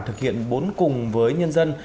thực hiện bốn cùng với nhân dân